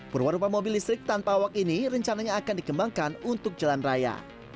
perwarupa mobil listrik tanpa awak ini rencananya akan dikembangkan untuk jalan raya